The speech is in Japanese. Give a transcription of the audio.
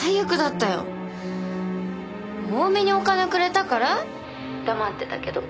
多めにお金くれたから黙ってたけど。